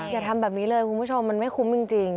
อย่าทำแบบนี้เลยคุณผู้ชมมันไม่คุ้มจริง